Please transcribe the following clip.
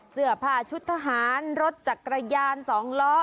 เสื้อผ้าชุดทหารรถจักรยาน๒ล้อ